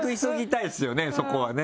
そこはね。